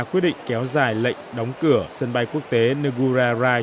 quyết định kéo dài lệnh đóng cửa sân bay quốc tế nugura rail